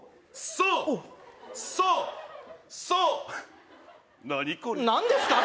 そうそうそう何これ何ですか？